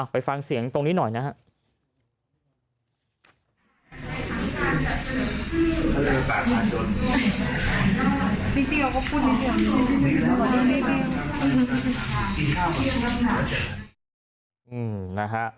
ไปฟังเสียงตรงนี้หน่อยนะฮะ